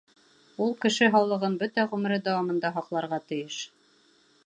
Ул кеше һаулығын бөтә ғүмере дауамында һаҡларға тейеш.